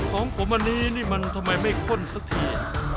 ของผมอันนี้นี่มันทำไมไม่ข้นสักที